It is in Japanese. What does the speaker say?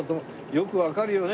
よくわかるよね